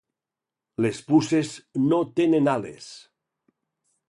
Les puces no tenen ales.